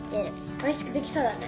おいしくできそうだね